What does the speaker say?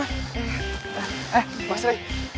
eh mas reh